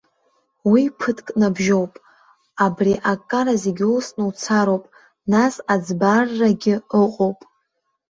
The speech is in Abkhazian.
Уи ԥыҭк набжьоуп, абри аккара зегьы улсны уцароуп, нас аӡбааррагьы ыҟоуп.